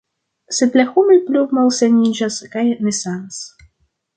Sed la homoj plu malsaniĝas kaj nesanas.